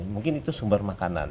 mungkin itu sumber makanan